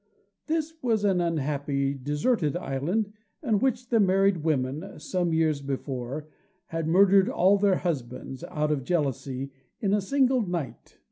This was an unhappy deserted island, in which the married women, some years before, had murdered all their husbands, out of jealousy, in a single night.